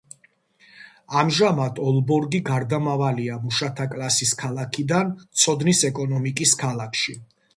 ამჟამად ოლბორგი გარდამავალია მუშათა კლასის ქალაქიდან ცოდნის ეკონომიკის ქალაქში.